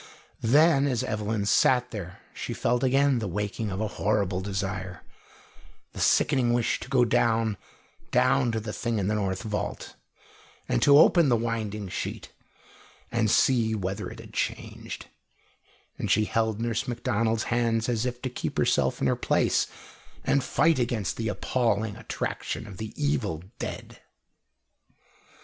Then as Evelyn sat there she felt again the waking of a horrible desire the sickening wish to go down, down to the thing in the north vault, and to open the winding sheet, and see whether it had changed; and she held Nurse Macdonald's hands as if to keep herself in her place and fight against the appalling attraction of the evil dead.